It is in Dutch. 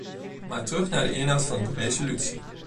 Maar terug naar de inhoud van de resolutie.